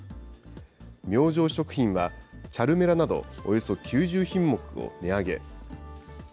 明星食品は、チャルメラなどおよそ９０品目を値上げ。